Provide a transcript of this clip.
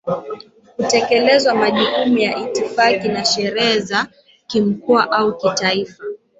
Kutekeleza majukumu ya itifaki na sherehe za Kimkoa au Kitaifa